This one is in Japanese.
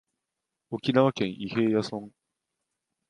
沖縄県伊平屋村